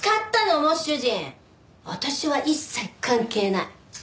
私は一切関係ない。